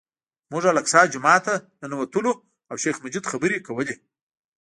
موږ الاقصی جومات ته ننوتلو او شیخ مجید خبرې کولې.